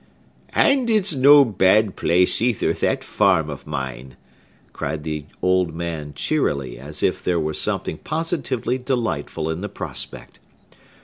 "And it's no bad place, either, that farm of mine!" cried the old man cheerily, as if there were something positively delightful in the prospect.